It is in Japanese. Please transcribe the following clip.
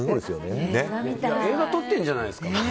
映画、撮ってるんじゃないの。